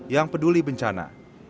yang peduli bencana